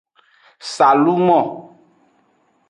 Salumo.